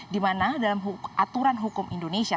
dimana dalam aturan hukum indonesia